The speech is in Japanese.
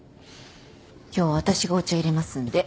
今日は私がお茶入れますんで。